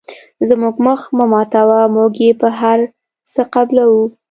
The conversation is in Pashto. زموږ مخ مه ماتوه موږ یې په هر څه قبلوو.